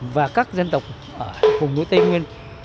và các dân tộc ở hùng nối tây nguyên